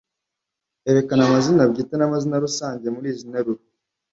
erekana amazina bwite n’amazina rusange ari muri izi nteruro.